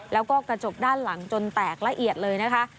แล้วก็กระจกด้านหลังจนแตกละเอียดเลยนะคะ